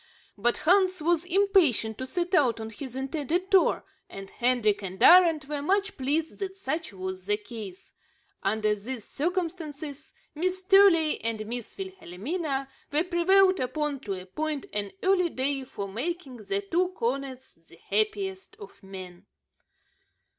But Hans was impatient to set out on his intended tour, and Hendrik and Arend were much pleased that such was the case. Under these circumstances, Miss Truey and Miss Wilhelmina were prevailed upon to appoint an early day for making the two cornets the happiest of men.